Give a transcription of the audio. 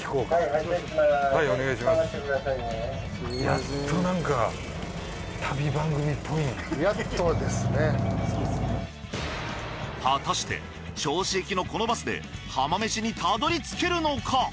果たして銚子行きのこのバスで浜めしにたどりつけるのか？